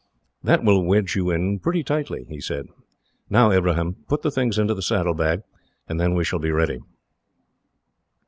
"That will wedge you in pretty tightly," he said. "Now, Ibrahim, put the things into the saddlebag, and then we shall be ready."